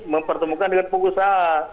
mempertemukan dengan pengusaha